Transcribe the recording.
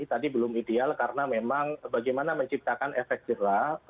tadi belum ideal karena memang bagaimana menciptakan efek jerah